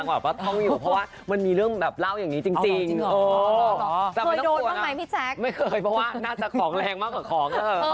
ไม่เคยเพราะว่าน่าจะผสมแข็งมากกว่าของ